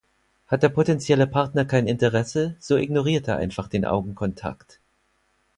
Hat der potenzielle Partner kein Interesse, so ignoriert er einfach den Augenkontakt.